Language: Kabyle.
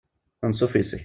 Anṣuf yes-k.